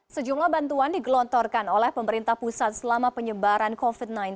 sejumlah bantuan digelontorkan oleh pemerintah pusat selama penyebaran covid sembilan belas